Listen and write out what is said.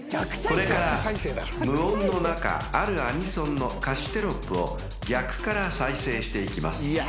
［これから無音の中あるアニソンの歌詞テロップを逆から再生していきます］